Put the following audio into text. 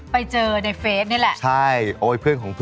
อ๋อเป็นเด็กอ้วนเหรออ๋อเป็นเด็กอ้วนเหรอ